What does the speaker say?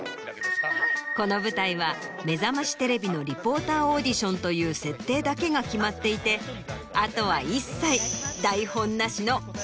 この舞台は『めざましテレビ』のリポーターオーディションという設定だけが決まっていてあとは一切。